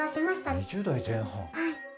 はい。